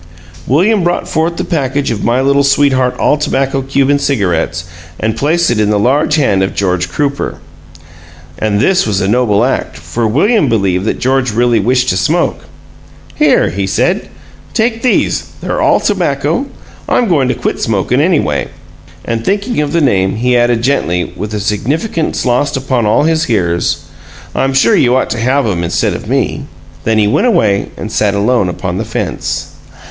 William brought forth the package of My Little Sweetheart All Tobacco Cuban Cigarettes and placed it in the large hand of George Crooper. And this was a noble act, for William believed that George really wished to smoke. "Here," he said, "take these; they're all tobacco. I'm goin' to quit smokin', anyway." And, thinking of the name, he added, gently, with a significance lost upon all his hearers, "I'm sure you ought to have 'em instead of me." Then he went away and sat alone upon the fence.